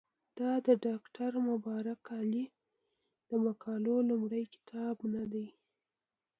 دا د ډاکټر مبارک علي د مقالو لومړی کتاب نه دی.